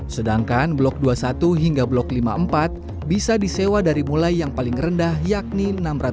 sedangkan blok dua puluh satu hingga blok lima puluh empat bisa disewa dari mulai yang paling rendah yakni enam ratus